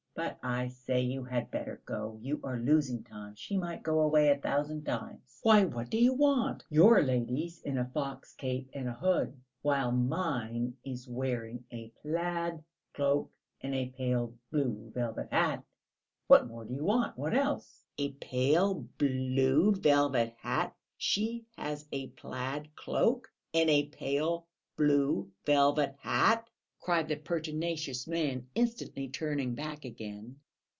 "But, I say, you had better go; you are losing time; she might go away a thousand times. Why, what do you want? Your lady's in a fox cape and a hood, while mine is wearing a plaid cloak and a pale blue velvet hat.... What more do you want? What else?" "A pale blue velvet hat! She has a plaid cloak and a pale blue velvet hat!" cried the pertinacious man, instantly turning back again.